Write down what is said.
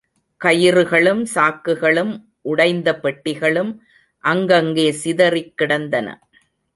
கயிறுகளும், சாக்குகளும், உடைந்த பெட்டிகளும் அங்கங்கே சிதறிக் கிடந்தன.